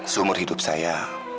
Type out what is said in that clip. seumur hidup saya